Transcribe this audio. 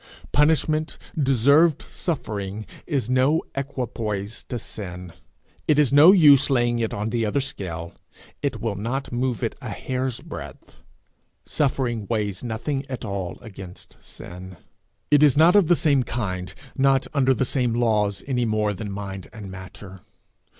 Punishment, deserved suffering, is no equipoise to sin. It is no use laying it in the other scale. It will not move it a hair's breadth. Suffering weighs nothing at all against sin. It is not of the same kind, not under the same laws, any more than mind and matter.